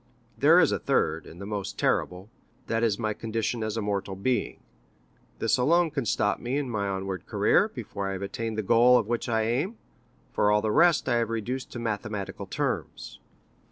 There is a third, and the most terrible—that is my condition as a mortal being. This alone can stop me in my onward career, before I have attained the goal at which I aim, for all the rest I have reduced to mathematical terms.